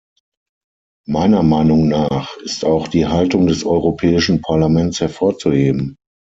Meiner Meinung nach ist auch die Haltung des Europäischen Parlaments hervorzuheben.